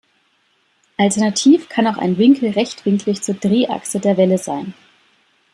Alternativ kann auch ein Winkel rechtwinklig zur Drehachse der Welle sein.